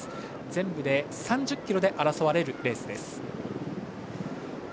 全部で３０ｋｍで争われるレースです。